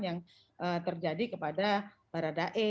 yang terjadi kepada baradae